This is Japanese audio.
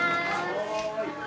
はい。